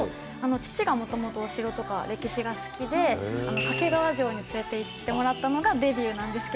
父がもともとお城とか歴史が好きで掛川城に連れていってもらったのがデビューなんですけど。